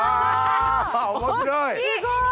面白い！